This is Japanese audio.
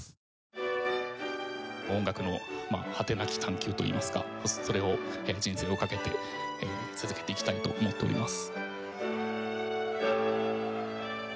音楽の果てなき探求といいますかそれを人生をかけて続けていきたいと思っております。